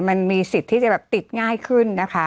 มันมีสิทธิ์ที่จะติดง่ายขึ้น